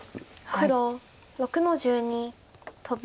黒６の十二トビ。